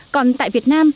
còn tại việt nam